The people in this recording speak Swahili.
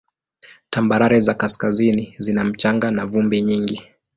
Tambarare za kaskazini zina mchanga na vumbi nyingi.